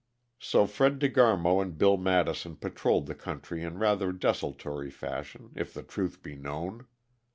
So Fred De Garmo and Bill Madison patrolled the country in rather desultory fashion, if the truth be known.